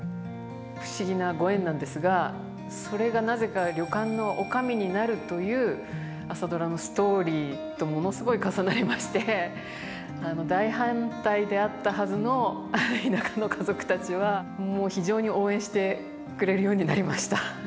不思議なご縁なんですがそれがなぜか旅館の女将になるという「朝ドラ」のストーリーとものすごい重なりまして大反対であったはずの田舎の家族たちはもう非常に応援してくれるようになりました。